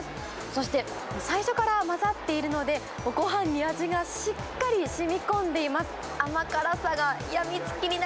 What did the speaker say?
そして、最初から混ざっているので、ごはんに味がしっかりしみこんでいます。